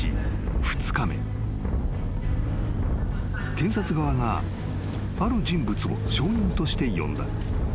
［検察側がある人物を証人として呼んだ］